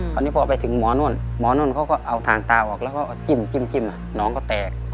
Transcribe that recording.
คราวนี้พอไปถึงหมอนู่นหมอนุ่นเขาก็เอาถ่านตาออกแล้วก็จิ้มน้องก็แตก